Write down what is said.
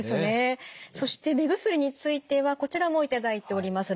そして目薬についてはこちらも頂いております